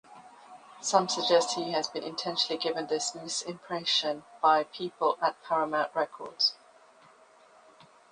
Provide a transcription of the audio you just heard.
Some suggest he had been intentionally given this misimpression by people at Paramount Records.